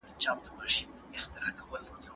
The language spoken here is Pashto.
انا خپل سر د پښېمانۍ له امله ښکته کړ.